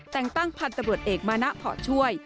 แต่งตั้งพันธบรวจเอกมานะเพาะช่วย